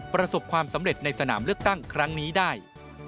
ประสบความสำเร็จในสนามเลือกตั้งครั้งนี้ได้